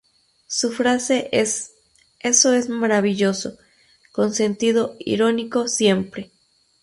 Su frase es: ""Eso es maravilloso"", con sentido irónico siempre.